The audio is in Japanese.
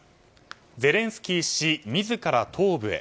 ゼレンスキー氏自ら東部へ。